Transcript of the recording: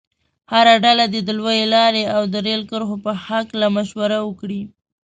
هره ډله دې د لویې لارې او د ریل کرښو په هلکه مشوره وکړي.